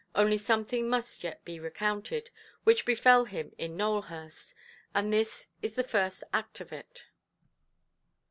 Only something must yet be recounted, which befell him in Nowelhurst. And this is the first act of it.